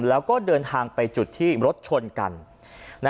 แล้วก็เดินทางไปจุดที่รถชนกัน